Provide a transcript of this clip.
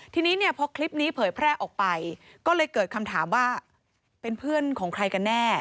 ทีนี้เนี่ยพอคลิปนี้เผยแพร่ออกไปก็เลยเกิดคำถามว่าเป็นเพื่อนของใครกันแน่